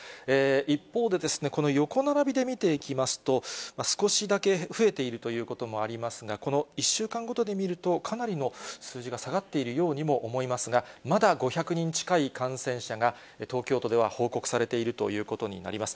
一方で、この横並びで見ていきますと、少しだけ増えているということもありますが、この１週間ごとで見ると、かなりの数字が下がっているようにも思いますが、まだ５００人近い感染者が、東京都では報告されているということになります。